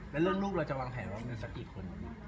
แล้วเรื่องลูกเราจะวางแผนว่ามีสักกี่คน